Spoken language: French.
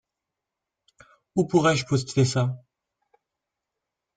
Où pourrais-je poster ça ?